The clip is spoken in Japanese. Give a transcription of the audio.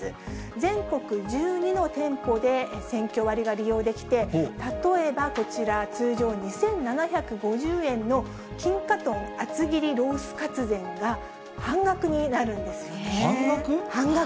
全国１２の店舗でセンキョ割が利用できて、例えばこちら、通常２７５０円の金華豚厚切りロースかつ膳が半額になるんですよ半額？